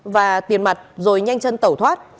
và tiền mặt rồi nhanh chân tẩu thoát